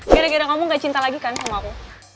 gara gara kamu gak cinta lagi kan sama aku